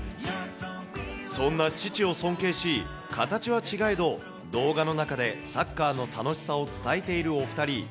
そんな父を尊敬し、形は違えど、動画の中でサッカーの楽しさを伝えているお２人。